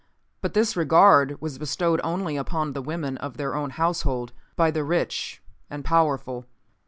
But this regard was bestowed only upon the women of their own household, by the rich and powerful.